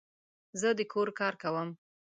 زه د کور کار کوم